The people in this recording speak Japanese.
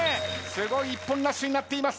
すごい一本ラッシュになっています。